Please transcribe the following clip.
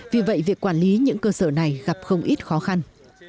vì vậy việc quản lý những cơ sở này gặp không ít khó khăn